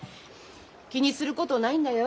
気にすることないんだよ。